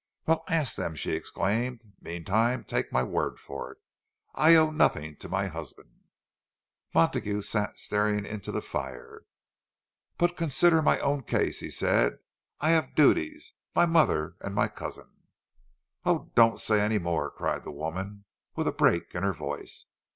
"Well, ask them!" she exclaimed. "Meantime, take my word for it—I owe nothing to my husband." Montague sat staring into the fire. "But consider my own case," he said. "I have duties—my mother and my cousin—" "Oh, don't say any more!" cried the woman, with a break in her voice.